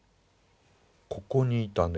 ここにいたね